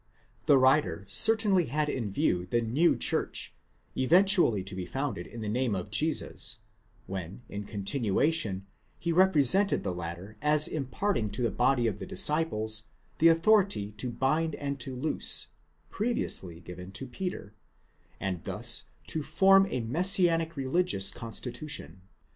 7_ The writer certainly had in view the new church, eventually to be founded in the name of Jesus, when, in continuation, he represented the latter as imparting to the body of the disciples the authority to bind and to loose, previously given to Peter, and thus to form a messianic religious constitution.